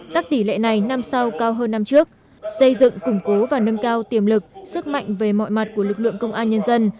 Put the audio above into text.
các tỷ lệ này năm sau cao hơn năm trước xây dựng củng cố và nâng cao tiềm lực sức mạnh về mọi mặt của lực lượng công an nhân dân